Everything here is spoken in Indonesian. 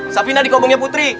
safina di kobongnya putri